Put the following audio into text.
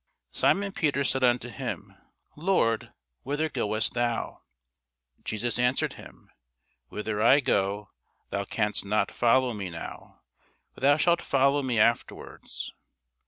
Simon Peter said unto him, Lord, whither goest thou? Jesus answered him, Whither I go, thou canst not follow me now; but thou shalt follow me afterwards.